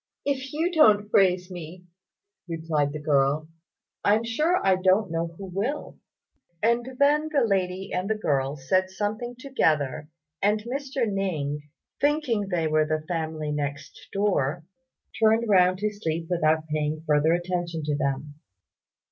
"If you don't praise me," replied the girl, "I'm sure I don't know who will;" and then the lady and the girl said something together, and Mr. Ning, thinking they were the family next door, turned round to sleep without paying further attention to them.